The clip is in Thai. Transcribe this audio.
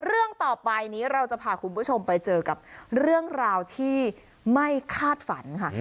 เรื่องต่อไปนี้เราจะพาคุณผู้ชมไปเจอกับเรื่องราวที่ไม่คาดฝันค่ะ